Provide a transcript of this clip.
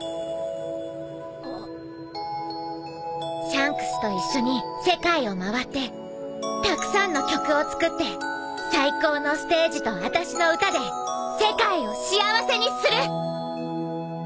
シャンクスと一緒に世界を回ってたくさんの曲を作って最高のステージとあたしの歌で世界を幸せにする！